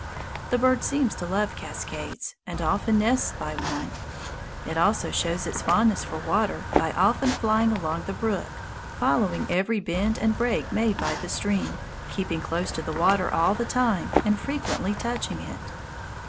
The bird seems to love cascades, and often nests by one. It also shows its fondness for water by often flying along the brook, following every bend and break made by the stream, keeping close to the water all the time and frequently touching it.